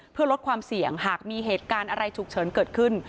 เพื่อลดความเสี่ยงหากมีเหตุการณ์อะไรฉุกเฉินเกิดขึ้น